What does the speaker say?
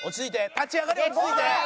立ち上がり落ち着いて。